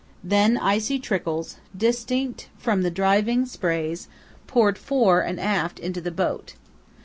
Then icy trickles, distinct from the driving sprays, poured fore and aft into the boat.